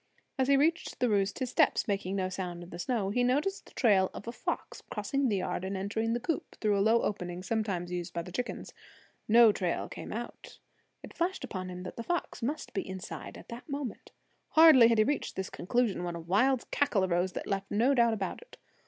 As he reached the roost, his steps making no sound in the snow, he noticed the trail of a fox crossing the yard and entering the coop through a low opening sometimes used by the chickens. No trail came out; it flashed upon him that the fox must be inside at that moment. Hardly had he reached this conclusion when a wild cackle arose that left no doubt about it.